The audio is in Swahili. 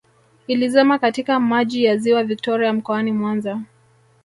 Ilizama katika maji ya ziwa Victoria mkoani Mwanza